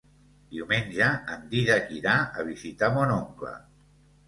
Diumenge en Dídac irà a visitar mon oncle.